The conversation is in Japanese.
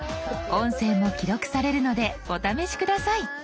音声も記録されるのでお試し下さい。